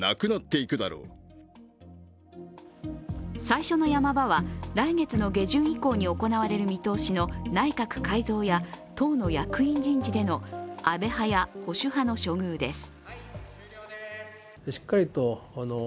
最初のヤマ場は来月の下旬以降に行われる見通しの内閣改造や党の役員人事での安倍派や保守派の処遇です。